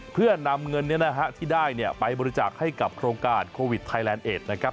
เพื่อนำเงินที่ได้ไปบริจาคให้กับโครงการโควิดไทยแลนดเอดนะครับ